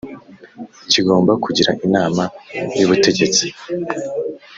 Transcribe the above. kigomba kugira inama y’ubutegetsi.